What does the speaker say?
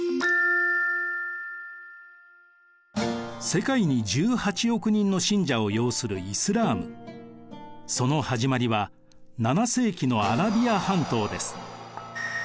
世界に１８億人の信者を擁するその始まりは７世紀のアラビア半島です。